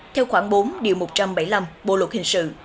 theo khoảng bốn một trăm bảy mươi năm bộ luật hình sự